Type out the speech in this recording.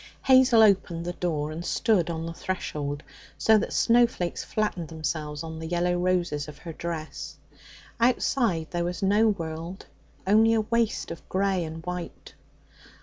Hazel opened the door and stood on the threshold, so that snow flakes flattened themselves on the yellow roses of her dress. Outside there was no world, only a waste of grey and white.